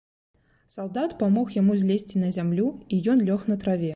Салдат памог яму злезці на зямлю, і ён лёг на траве.